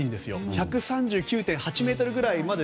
１３９．８ｍぐらいまで。